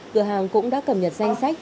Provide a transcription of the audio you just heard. cửa hàng cũng đã cập nhật danh sách